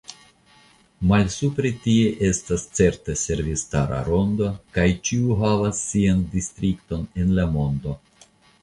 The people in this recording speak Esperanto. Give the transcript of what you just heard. Malsupre tie estas certa servistara rondo, kaj ĉiu havas sian distrikton en la mondo.